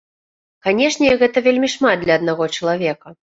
Канешне, гэта вельмі шмат для аднаго чалавека.